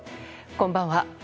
こんばんは。